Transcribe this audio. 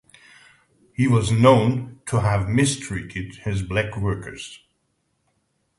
He was known to have mistreated his black workers.